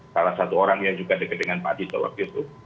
salah satu orang yang juga dekat dengan pak tito waktu itu